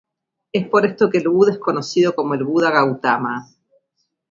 Es por esto que el Buda es conocido como el Buda Gautama.